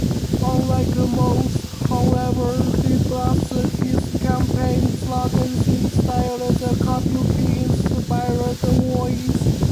Unlike most, however, he blasts his campaign slogans in a stylized, kabuki-inspired voice.